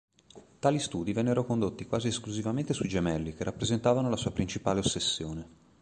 Tali studi vennero condotti quasi esclusivamente sui gemelli, che rappresentavano la sua principale ossessione.